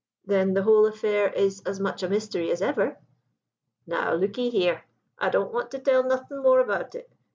"'Then the whole affair is as much a mystery as ever?' "'Now, look 'ee here; I don't want to tell nothin' more about it.